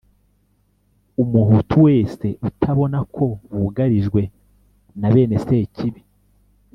umuhutu wese utabona ko bugarijwe na bene Sekibi